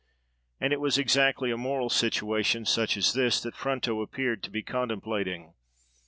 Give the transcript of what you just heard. And it was exactly a moral situation such as this that Fronto appeared to be contemplating.